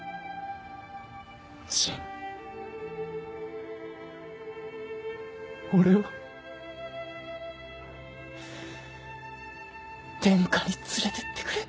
信俺を天下に連れてってくれ。